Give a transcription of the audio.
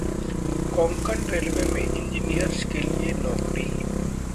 कोकंण railway में engineers के लिए नौकरी